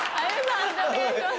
判定お願いします。